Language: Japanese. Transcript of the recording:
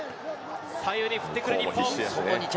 左右に振ってくる日本。